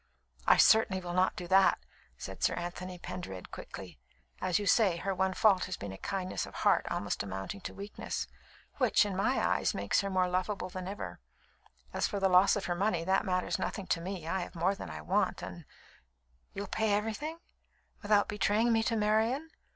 "I certainly will not do that," said Sir Anthony Pendered quickly. "As you say, her one fault has been a kindness of heart almost amounting to weakness, which, in my eyes, makes her more lovable than ever. As for the loss of her money, that matters nothing to me. I have more than I want, and " "You'll pay everything, without betraying me to Marian?